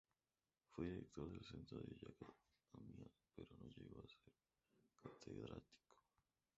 Fue director del Centre Jacques-Amyot, pero no llegó a ser catedrático.